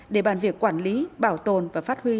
để bàn việc quản lý bảo tồn và phát huy